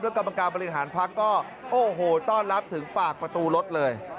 กรรมการบริหารพักก็โอ้โหต้อนรับถึงปากประตูรถเลย